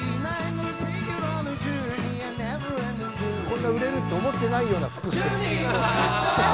こんな売れるって思ってないような服。